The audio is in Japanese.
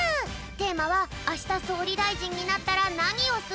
テーマは「あしたそうりだいじんになったらなにをする？」。